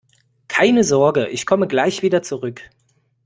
Keine Sorge, ich komme gleich wieder zurück!